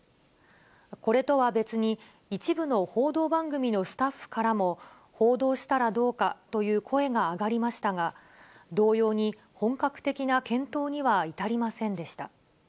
これとは別に、一部の報道番組のスタッフからも、報道したらどうかという声が上がりましたが、同様に本格的な検討には至りませんでした。